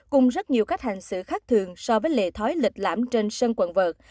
cùng rất nhiều cách hành xử khác thường so với lệ thói lịch lãm trên sân quần vợt